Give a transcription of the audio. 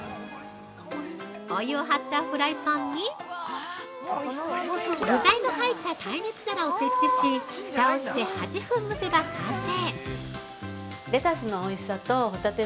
お湯を張ったフライパンに具材の入った耐熱皿を設置しふたをして８分蒸せば完成。